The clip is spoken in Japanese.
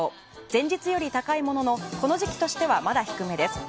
前日より高いもののこの時期としてはまだ低めです。